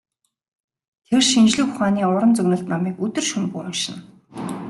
Тэр шинжлэх ухааны уран зөгнөлт номыг өдөр шөнөгүй уншина.